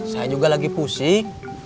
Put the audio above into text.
saya juga lagi pusing